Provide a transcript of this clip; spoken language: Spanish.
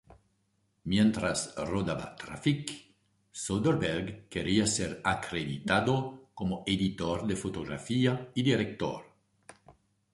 Mientras rodaba "Traffic", Soderbergh quería ser acreditado como "Editor de fotografía y Director".